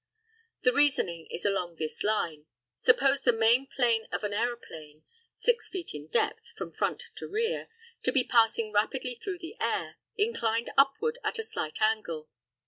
The reasoning is along this line: Suppose the main plane of an aeroplane six feet in depth (from front to rear) to be passing rapidly through the air, inclined upward at a slight angle.